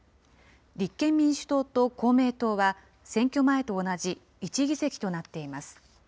立憲民主党と公明党は、選挙前と同じ１議席となっています。